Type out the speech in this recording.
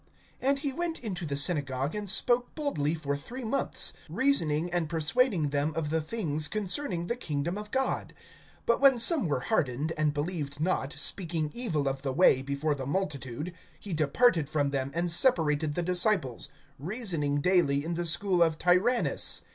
(8)And he went into the synagogue, and spoke boldly for three months, reasoning and persuading them of the things concerning the kingdom of God. (9)But when some were hardened, and believed not, speaking evil of the Way before the multitude, he departed from them, and separated the disciples, reasoning daily in the school of Tyrannus.